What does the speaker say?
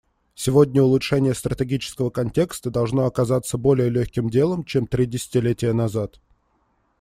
Сегодня улучшение стратегического контекста должно оказаться более легким делом, чем три десятилетия назад.